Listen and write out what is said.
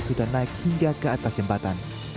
sudah naik hingga ke atas jembatan